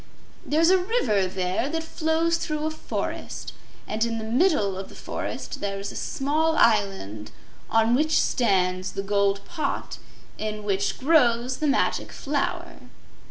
There's a river there that flows through a forest, and in the middle of the forest there is a small island on which stands the gold pot in which grows the Magic Flower."